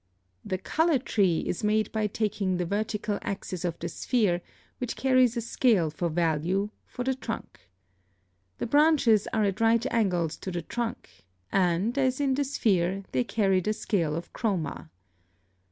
(34) The color tree is made by taking the vertical axis of the sphere, which carries a scale of value, for the trunk. The branches are at right angles to the trunk; and, as in the sphere, they carry the scale of chroma.